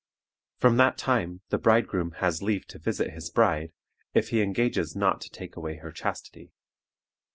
From that time the bridegroom has leave to visit his bride, if he engages not to take away her chastity.